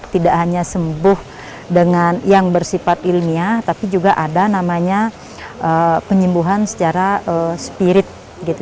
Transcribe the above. tidak hanya sembuh dengan yang bersifat ilmiah tapi juga ada namanya penyembuhan secara spirit gitu